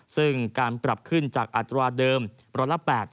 ซึ่งการปรับขึ้นจากอัตราเดิมร้อยละ๘๐